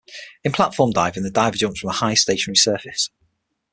In platform diving, the diver jumps from a high stationary surface.